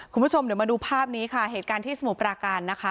คุณผู้ชมเดี๋ยวมาดูภาพนี้ค่ะเหตุการณ์ที่สมุทรปราการนะคะ